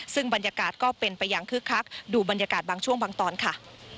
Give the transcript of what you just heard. ซึ่งบรรยากาศก็เป็นไปอย่างคึกคักดูบรรยากาศบางช่วงบางตอนค่ะ